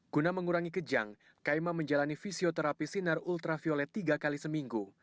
guna mengurangi kejang kaima menjalani fisioterapi sinar ultraviolet tiga kali seminggu